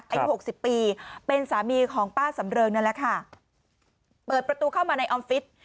หกสิบปีเป็นสามีของป้าสำเริงนั่นแหละค่ะเปิดประตูเข้ามาในออฟฟิศ